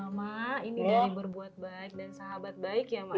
mama ini dari berbuat baik dan sahabat baik ya mas